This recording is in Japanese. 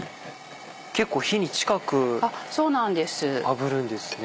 結構火に近くあぶるんですね。